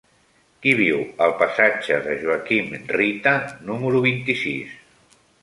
Qui viu al passatge de Joaquim Rita número vint-i-sis?